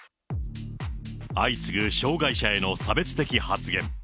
相次ぐ障がい者への差別的発言。